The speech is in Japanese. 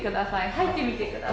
入ってみてください。